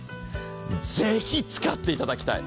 ぜひ使っていただきたい。